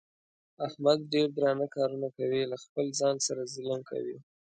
احمد ډېر درانه کارونه کوي. له خپل ځان سره ظلم کوي.